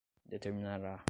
determinará